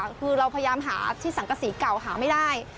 อย่างสังกะสีที่หายากคือเราพยายามหาที่สังกะสีเก่าหาไม่ได้